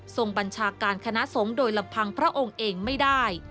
บัญชาการคณะสงฆ์โดยลำพังพระองค์เองไม่ได้